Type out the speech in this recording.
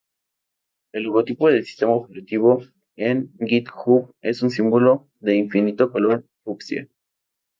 El logotipo del sistema operativo en GitHub es un símbolo de infinito color fucsia.